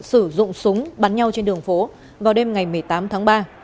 sử dụng súng bắn nhau trên đường phố vào đêm ngày một mươi tám tháng ba